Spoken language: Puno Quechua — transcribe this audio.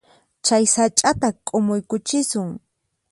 Chay sach'ata k'umuykuchisun.